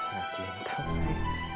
merajinta bos saya